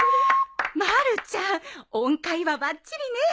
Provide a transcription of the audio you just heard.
まるちゃん音階はばっちりね。